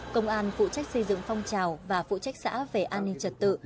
công an phụ trách xây dựng phong trào và phụ trách xã về an ninh trật tự